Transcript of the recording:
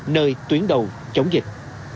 nơi tuyến đầu chống dịch